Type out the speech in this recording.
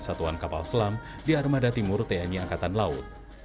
satuan kapal selam di armada timur tni angkatan laut